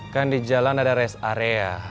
kan di jalan ada rest area